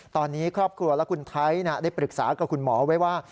ตอนนี้ครอบครัวและคุณไทยได้ปรึกษากับคุณหมอไว้ว่า